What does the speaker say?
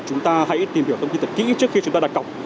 chúng ta hãy tìm hiểu thông tin thật kỹ trước khi chúng ta đặt cọc